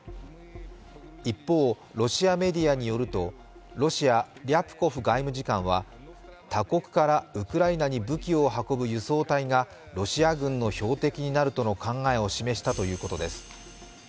一方、ロシアメディアによるとロシア、リャプコフ外務次官は他国からウクライナに武器を運ぶ輸送隊がロシア軍の標的になるとの考えを示したということです。